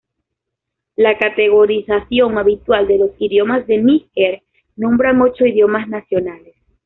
La categorización habitual de los idiomas de Níger nombra ocho idiomas nacionales.